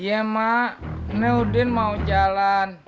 iya mak naudin mau jalan